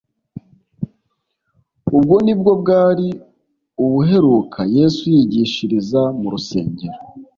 Ubwo nibwo bwari ubuheruka Yesu yigishiriza mu rusengero.